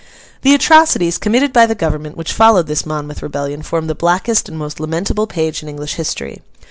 The atrocities, committed by the Government, which followed this Monmouth rebellion, form the blackest and most lamentable page in English history.